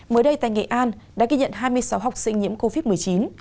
mới đây tại nghệ an đã ghi nhận hai mươi sáu học sinh nhiễm covid một mươi chín